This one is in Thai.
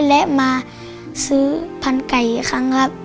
และมาซื้อพันไก่อีกครั้งครับ